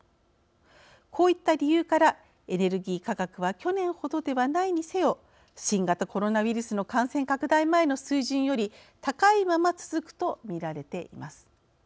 こういった理由からエネルギー価格は去年ほどではないにせよ新型コロナウイルスの感染拡大前の水準より高いまま続くと見られています。